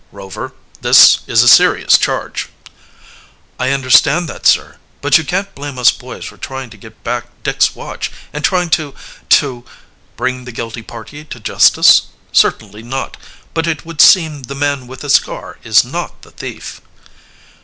"Rover, this is a serious charge." "I understand that, Sir. But you can't blame us boys for trying to get back Dick's watch and trying to to " "Bring the guilty party to justice? Certainly not! But it would seem the man with a scar is not the thief."